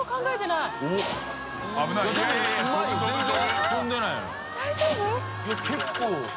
いや結構。